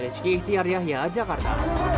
rizky ihtiar yahya jakarta